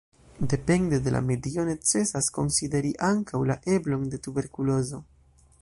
Depende de la medio necesas konsideri ankaŭ la eblon de tuberkulozo.